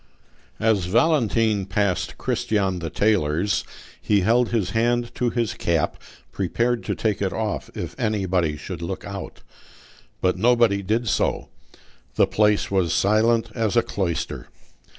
As Valentine passed Christian the tailor's, he held his hand to his cap, prepared to take it off if anybody should look out. But nobody did so: the place was silent as a cloister.